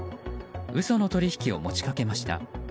嘘の取引を持ちかけました。